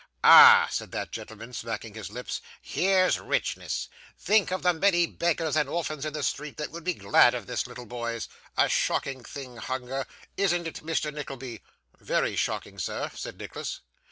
'Ah!' said that gentleman, smacking his lips, 'here's richness! Think of the many beggars and orphans in the streets that would be glad of this, little boys. A shocking thing hunger, isn't it, Mr. Nickleby?' 'Very shocking, sir,' said Nicholas.